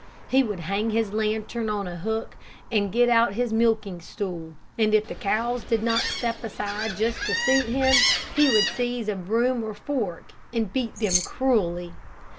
He would hang his lantern on a hook, and get his milking stool, and if the cows did not step aside just to suit him, he would seize a broom or fork, and beat them cruelly.